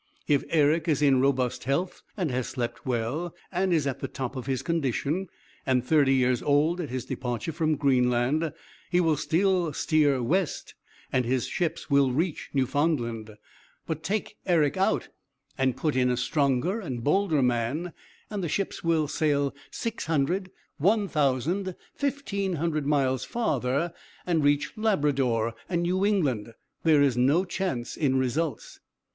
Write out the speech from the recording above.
If Eric is in robust health and has slept well and is at the top of his condition, and thirty years old at his departure from Greenland, he will steer west and his ships will reach Newfoundland. But take Eric out and put in a stronger and bolder man, and the ships will sail six hundred, one thousand, fifteen hundred miles farther and reach Labrador and New England. There is no chance in results.'